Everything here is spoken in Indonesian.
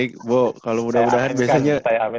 ini bu kalau mudah mudahan biasanya